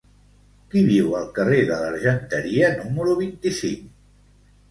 Qui viu al carrer de l'Argenteria número vint-i-cinc?